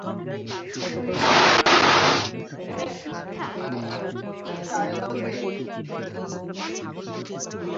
গতকাল সোমবার রাতে নির্বাচন কমিশন থেকে তাঁর প্রত্যাহারের আদেশ থানায় আসে।